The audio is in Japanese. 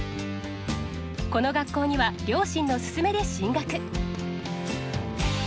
この学校には両親の勧めで進学。